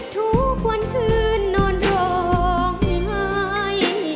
ทุกวันคืนนอนร้องไห้